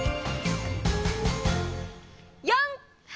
４！